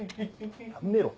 やめろ！